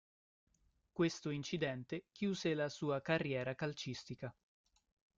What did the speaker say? Questo incidente chiuse la sua carriera calcistica.